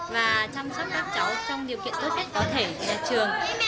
và chăm sóc các cháu trong điều kiện tốt nhất có thể về nhà trường